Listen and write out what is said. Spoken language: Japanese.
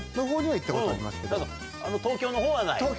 あの東京のほうはない？